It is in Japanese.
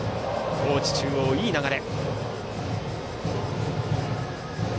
高知中央いい流れ。